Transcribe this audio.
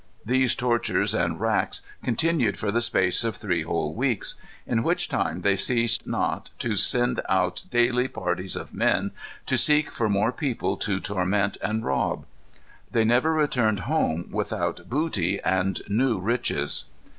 These tortures and racks continued for the space of three whole weeks; in which time they ceased not to send out daily parties of men to seek for more people to torment and rob: they never returned home without booty and new riches."